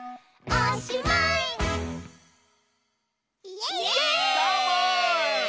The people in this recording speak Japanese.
イエーイ！